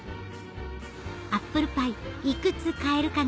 アップルパイいくつ買えるかな？